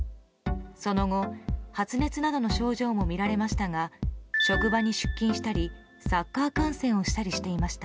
その後、発熱などの症状もみられましたが職場に出勤したりサッカー観戦をしたりしていました。